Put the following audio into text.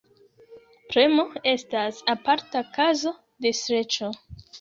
Premo estas aparta kazo de streĉo.